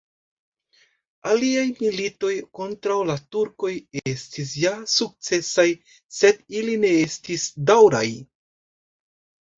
Aliaj militoj kontraŭ la turkoj estis ja sukcesaj, sed ili ne estis daŭraj.